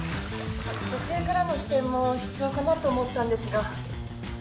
女性からの視点も必要かなと思ったんですが。